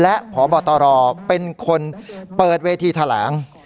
และพบตรเป็นคนเปิดเวทีแถลง